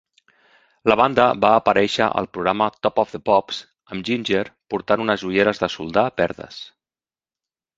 La banda va aparèixer al programa "Top of the Pops" amb Ginger portant unes ulleres de soldar verdes.